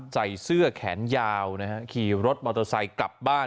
ใส่เสื้อแขนยาวนะฮะขี่รถมอเตอร์ไซค์กลับบ้าน